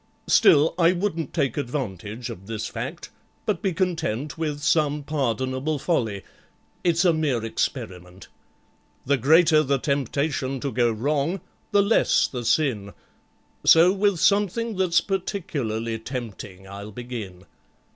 "Still, I wouldn't take advantage of this fact, but be content With some pardonable folly—it's a mere experiment. The greater the temptation to go wrong, the less the sin; So with something that's particularly tempting I'll begin.